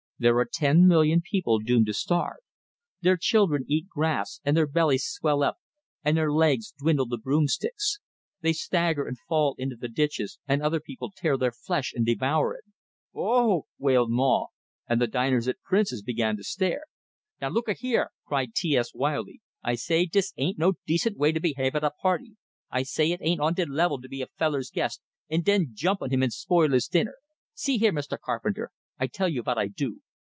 "There are ten million people doomed to starve. Their children eat grass, and their bellies swell up and their legs dwindle to broom sticks; they stagger and fall into the ditches, and other children tear their flesh and devour it." "O o o o o o o o oh!" wailed Maw; and the diners at Prince's began to stare. "Now looka here!" cried T S, wildly. "I say dis ain't no decent way to behave at a party. I say it ain't on de level to be a feller's guest, and den jump on him and spoil his dinner. See here, Mr. Carpenter, I tell you vot I do.